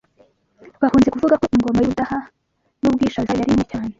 Bakunze kuvuga ko Ingoma y'Ubudaha n'Ubwishaza yari nini cyane